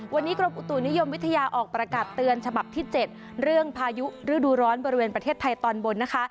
วันนี้กรมอุตุนิยมวิทยาออกประกาศเตือนฉบับที่๗เรื่องพายุฤดูร้อนบริเวณประเทศไทยตอนบนนะคะ